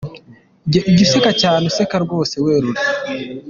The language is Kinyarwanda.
Jya useka cyane, useke rwose werure.